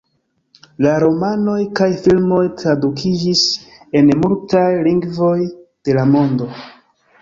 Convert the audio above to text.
La romanoj kaj filmoj tradukiĝis en multaj lingvoj de la mondo.